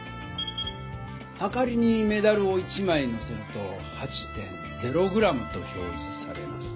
はかりにメダルを１枚のせると８．０ｇと表じされます。